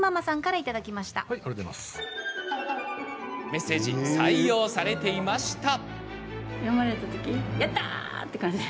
メッセージ採用されていました。